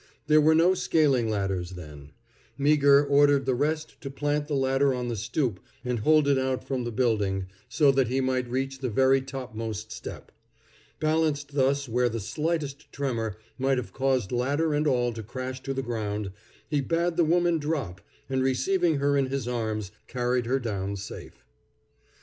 There were no scaling ladders then. Meagher ordered the rest to plant the ladder on the stoop and hold it out from the building so that he might reach the very topmost step. Balanced thus where the slightest tremor might have caused ladder and all to crash to the ground, he bade the woman drop, and receiving her in his arms, carried her down safe.